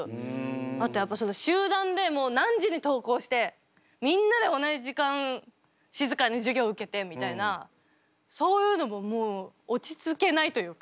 あと集団で何時に登校してみんなで同じ時間静かに授業受けてみたいなそういうのももう落ち着けないというか。